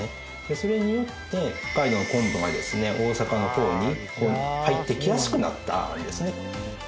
それによって北海道の昆布が大阪の方に入ってきやすくなったんですね。